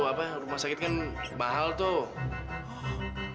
apa rumah sakit kan mahal tuh